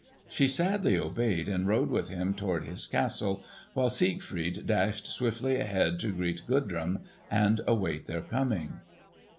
She sadly obeyed and rode with him toward his castle, while Siegfried dashed swiftly ahead to greet Gudrun and await their coming.